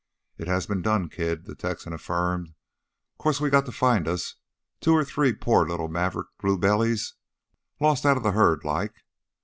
"It has been done, kid," the Texan affirmed. "'Course we got to find us two or three poor little maverick blue bellies lost outta the herd like.